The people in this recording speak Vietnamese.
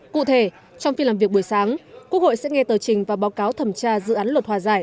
cụ thể trong phiên làm việc buổi sáng quốc hội sẽ nghe tờ trình và báo cáo thẩm tra dự án luật hòa giải